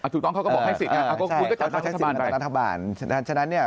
ถูกต้องเขาก็บอกให้สิทธิ์คุณก็จัดตั้งรัฐบาลไป